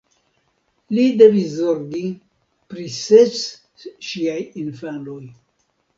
Li devis zorgi pri ses ŝiaj infanoj.